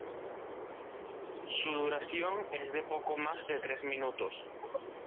Su duración es de poco más de tres minutos.